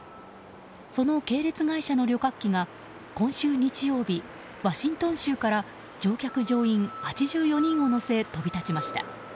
その系列会社の旅客機が今週日曜日ワシントン州から乗客・乗員８４人を乗せ飛び立ちました。